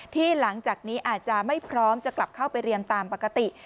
หลังจากนี้อาจจะไม่พร้อมจะกลับเข้าไปเรียนตามปกติ